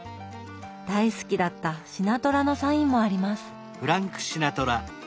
大好きだったシナトラのサインもあります。